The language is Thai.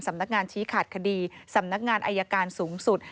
สำนักงานชี้ขาดคดีสำนักงานอายการสูงสุด